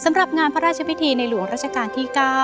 สำหรับงานพระราชพิธีในหลวงราชการที่๙